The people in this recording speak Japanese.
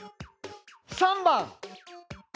３番！